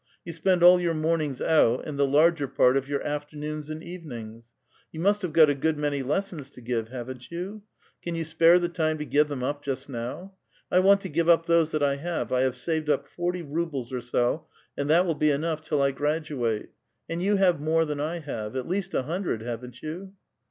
You spend all your mornings out, and the larger part of your afternoons and evenings. You must have got a good many lessons to give, haven't you ? Can you spare the time to give them just now? I want to give up those that I have ; I have saved up forty rubles or so, and that will be enough till I graduate. And j^ou have more than I have — at least a hundred, haven't vou?"